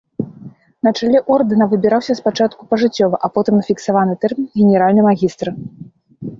На чале ордэна выбіраўся спачатку пажыццёва, а потым на фіксаваны тэрмін генеральны магістр.